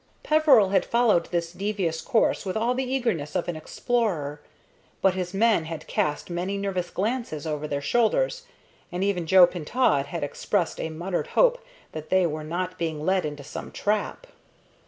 Peveril had followed this devious course with all the eagerness of an explorer; but his men had cast many nervous glances over their shoulders, and even Joe Pintaud had expressed a muttered hope that they were not being led into some trap.